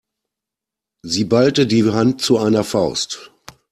Sie ballte die Hand zu einer Faust.